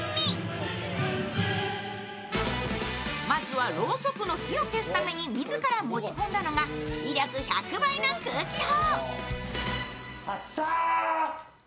まずはろーそくの火を消すために自ら持ち込んだのが威力１００倍の空気法。